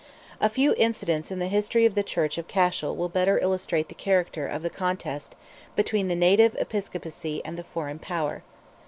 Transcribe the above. A few incidents in the history of the Church of Cashel will better illustrate the character of the contest between the native episcopacy and the foreign power.